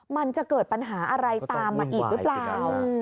มันจะเกิดปัญหาอะไรตามมาอีกหรือเปล่า